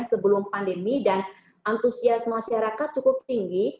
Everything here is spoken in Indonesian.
sebelum pandemi dan antusias masyarakat cukup tinggi